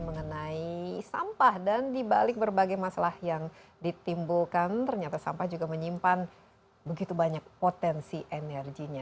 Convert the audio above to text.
mengenai sampah dan dibalik berbagai masalah yang ditimbulkan ternyata sampah juga menyimpan begitu banyak potensi energinya